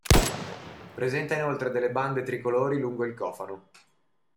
Presenta inoltre delle bande Tricolori lungo il cofano.